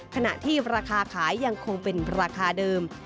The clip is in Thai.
ขณะที่ราคาขายยังคงเป็นราคาเดิม